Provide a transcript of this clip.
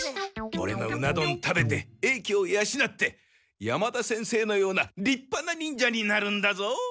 オレのウナどん食べて英気をやしなって山田先生のようなりっぱな忍者になるんだぞ。